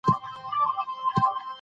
سپوږمۍ نرۍ ده.